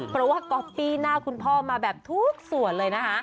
เพราะว่าก๊อปปี้หน้าคุณพ่อมาแบบทุกส่วนเลยนะคะ